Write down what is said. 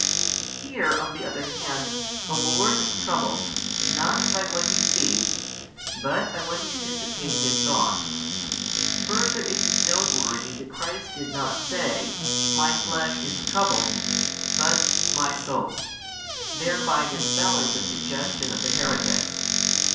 Here, on the other hand, the Lord is troubled, not by what He sees, but by what He anticipates in thought. Further it is noteworthy that Christ did not say "My flesh is troubled," but "My soul;" thereby dispelling the suggestion of the heretics.